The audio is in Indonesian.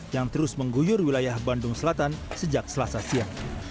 yang terus mengguyur wilayah bandung selatan sejak selasa siang